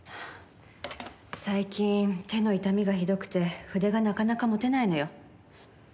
最近手の痛みがひどくて筆がなかなか持てないのよ。